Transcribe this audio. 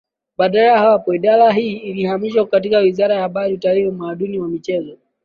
Baada ya hapo Idara hii ilihamishwa katika Wiraza ya Habari Utalii Utamaduni na Michezo